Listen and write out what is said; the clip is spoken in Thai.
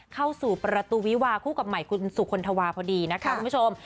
เข้าสู่ประตูวิวาคู่กับใหม่คุณสุคลธวาพอดีนะคะคุณผู้ชม